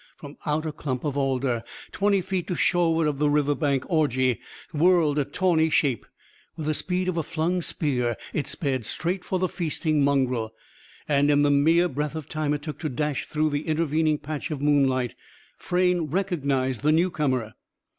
From out a clump of alder, twenty feet to shoreward of the river bank orgy, whirled a tawny shape. With the speed of a flung spear it sped; straight for the feasting mongrel. And, in the mere breath of time it took to dash through the intervening patch of moonlight, Frayne recognised the newcomer.